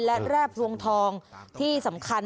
และแร่พลวงทองที่สำคัญ